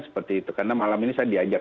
seperti itu karena malam ini saya diajak